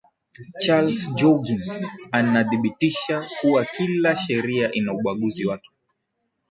charles joughin anathibitisha kuwa kila sheria ina ubaguzi wake